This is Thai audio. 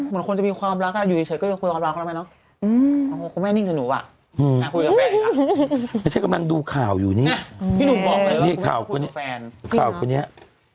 เหมือนคนจะมีความรักอะอยู่เฉยก็จะควรคำรักก็ไม่นะ